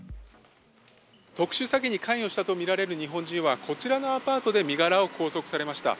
特殊詐欺に関与したとみられる日本人はこちらのアパートで身柄を拘束されました。